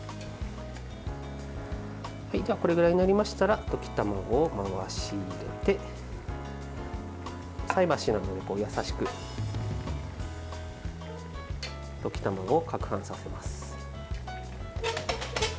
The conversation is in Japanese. これぐらいになりましたら溶き卵を回し入れて菜箸などで優しく溶き卵を撹拌させます。